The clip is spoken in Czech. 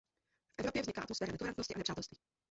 V Evropě vzniká atmosféra netolerantnosti a nepřátelství.